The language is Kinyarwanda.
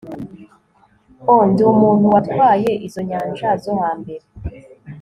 O Ndi umuntu watwaye izo nyanja zo hambere